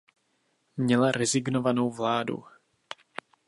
Měla rezignovanou náladu.